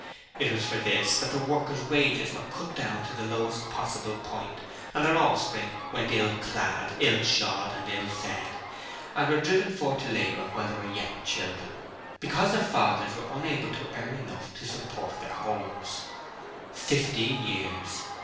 It was for this that the workers' wages were cut down to the lowest possible point and their offspring went ill clad, ill shod and ill fed, and were driven forth to labour while they were yet children, because their fathers were unable to earn enough to support their homes. Fifteen years!